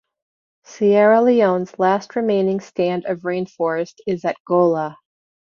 Sierra Leone's last remaining stand of rainforest is at Gola.